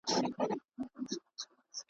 ریاض بهشت